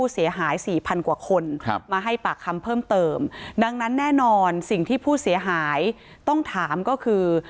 ที่เขามาล่าสุดนะบอก